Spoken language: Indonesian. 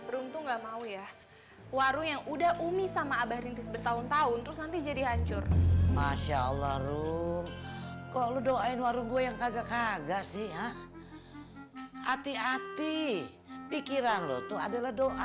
rum rum udah putus sama bang robi